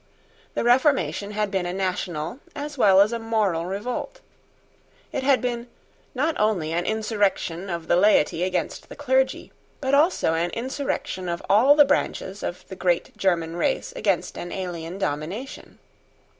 The Reformation had been a national as well as a moral revolt. It had been, not only an insurrection of the laity against the clergy, but also an insurrection of all the branches of the great German race against an alien domination.